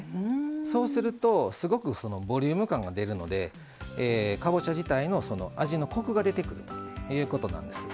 そうするとすごくボリューム感が出るのでかぼちゃ自体の味のコクが出てくるということなんです。